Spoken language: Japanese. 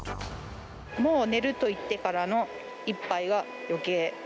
もう寝ると言ってからの一杯がよけい。